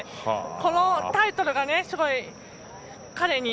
このタイトルが、すごい彼に。